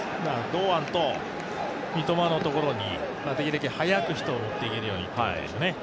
堂安と三笘のところに、できるだけ早く人を持っていけるようにということでしょうね。